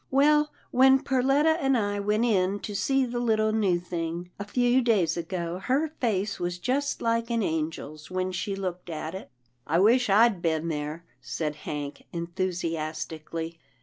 " Well, when Perletta and I went in to see the little new thing, a few days ago, her face was just like an angel's when she looked at it." " I wish I'd been there," said Hank, enthusias tically.